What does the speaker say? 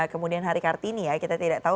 kemudian hari kartini ya kita tidak tahu